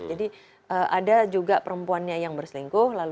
jadi ada juga perempuannya yang berselingkuh